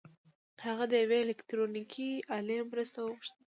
هغه د يوې الکټرونيکي الې مرسته وغوښته.